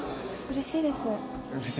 うれしいです。